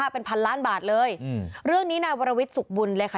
เป็นพันล้านบาทเลยอืมเรื่องนี้นายวรวิทย์สุขบุญเลยค่ะ